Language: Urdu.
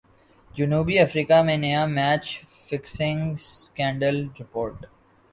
جنوبی افریقہ میں نیا میچ فکسنگ سکینڈل رپورٹ